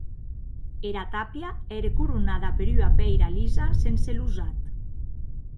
Era tàpia ère coronada per ua pèira lisa sense losat.